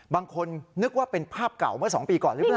บางคนนึกว่าเป็นภาพเก่าเมื่อ๒ปีก่อนหรือเปล่า